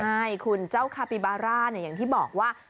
ใช่คุณเจ้าคาปิบาร่าเนี่ยอย่างที่บอกว่า